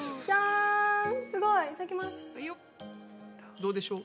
どうでしょう？